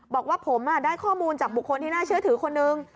บอกว่าผมได้ข้อมูลจากบุคคลที่น่าเชื่อถือคนนึง